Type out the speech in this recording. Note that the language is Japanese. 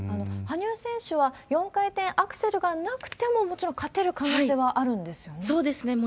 羽生選手は４回転アクセルがなくても、もちろん勝てる可能性そうですね。